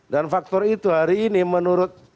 dan faktor itu hari ini menurut